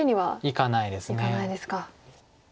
いかないですか。